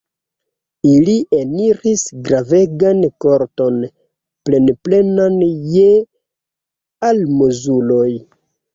Ili eniris grandegan korton, plenplenan je almozuloj.